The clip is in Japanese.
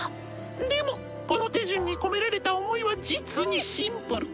でもこの手順に込められた想いは実にシンプル。